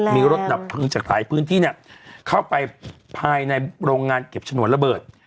มีรถดับเพลิงจากหลายพื้นที่เนี่ยเข้าไปภายในโรงงานเก็บฉนวนระเบิด